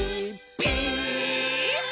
ピース！」